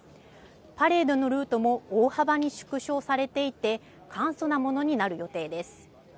パレードのルートも大幅に縮小されていて、簡素なものになる予定